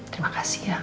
terima kasih ya